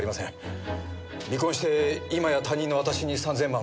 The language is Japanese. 離婚して今や他人の私に３０００万。